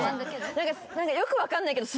よく分かんないけど。